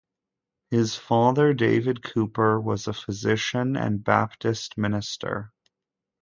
His father, David Cooper, was a physician and Baptist minister.